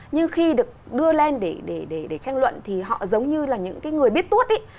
nhưng khi được đưa lên để tranh luận thì họ giống như là những người biết tuốt ấy